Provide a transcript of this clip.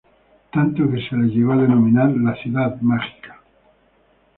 Tanto que se la llegó a denominar "La Ciudad Mágica".